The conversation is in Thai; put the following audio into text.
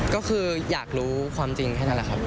ก็คืออยากรู้ความจริงแค่นั้นแหละครับ